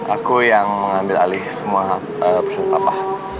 aku yang mengambil alih semua persoalan papa